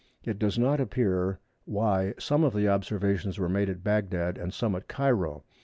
It does not appear why some of the observations were made at Bagdad and some at Cairo.